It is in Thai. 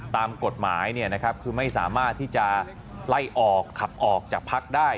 ตามกฎหมายคือไม่สามารถที่จะไล่ออกขับออกจากพักได้